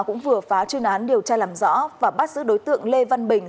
cũng vừa phá chuyên án điều tra làm rõ và bắt giữ đối tượng lê văn bình